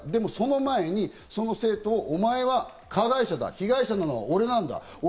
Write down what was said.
でもその前にその生徒を、お前は加害者だ、被害者なのは俺なんだ。